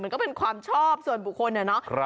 มันก็เป็นความชอบส่วนบุคคลเนี่ยเนอะ